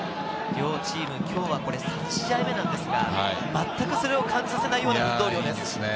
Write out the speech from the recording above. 両チーム、今日はこれ３試合目なんですが、まったくそれを感じさせない運動量です。